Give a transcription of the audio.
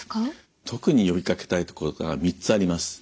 特に呼びかけたいところが３つあります。